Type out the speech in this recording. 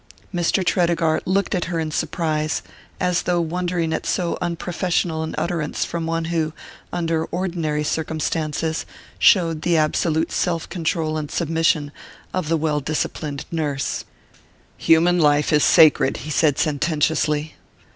Mr. Tredegar looked at her in surprise, as though wondering at so unprofessional an utterance from one who, under ordinary circumstances, showed the absolute self control and submission of the well disciplined nurse. "Human life is sacred," he said sententiously.